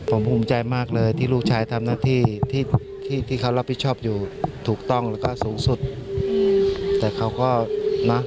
ผมภูมิใจมากเลยที่ลูกชายทำหน้าที่ที่ที่เขารับผิดชอบอยู่ถูกต้องแล้วก็สูงสุดแต่เขาก็นะ